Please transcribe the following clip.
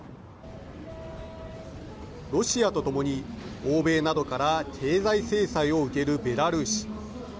ロシアと共に欧米などから経済制裁を受けるベラルーシ。